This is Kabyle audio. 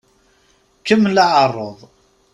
Kemmel aɛeṛṛuḍ!